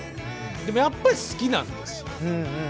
でもやっぱり好きなんですよ。